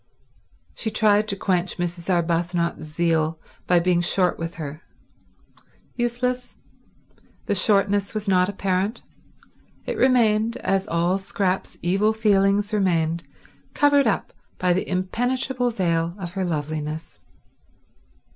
She tried to quench Mrs. Arbuthnot's zeal by being short with her. Useless. The shortness was not apparent. It remained, as all Scrap's evil feelings remained, covered up by the impenetrable veil of her loveliness.